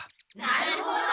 なるほど！